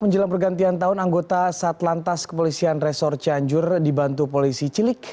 menjelang pergantian tahun anggota satlantas kepolisian resor cianjur dibantu polisi cilik